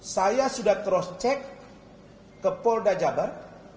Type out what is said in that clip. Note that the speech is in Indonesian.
saya sudah cross check ke polda jabar